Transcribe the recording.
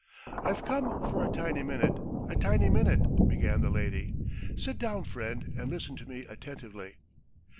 "I've come for a tiny minute ... a tiny minute. .." began the lady. "Sit down, friend, and listen to me attentively.